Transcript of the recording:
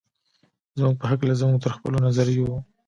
زموږ په هکله زموږ تر خپلو نظریو.